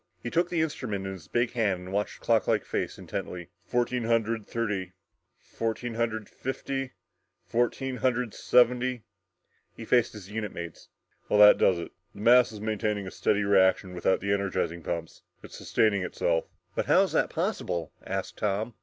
He took the instrument in his big hand and watched the clocklike face intently. "... fourteen hundred thirty fourteen hundred fifty fourteen hundred seventy " He faced his unit mates. "Well, that does it. The mass is maintaining a steady reaction without the energizing pumps. It's sustaining itself!" "But how is that possible?" asked Tom.